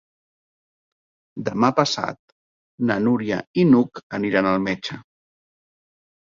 Demà passat na Núria i n'Hug aniran al metge.